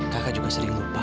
kakak juga sering lupa